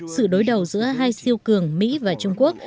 sự đối đầu giữa hai siêu cường mỹ và trung quốc